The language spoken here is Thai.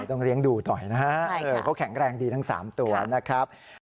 ต้องเลี้ยงดูหน่อยนะฮะเขาแข็งแรงดีทั้ง๓ตัวนะครับ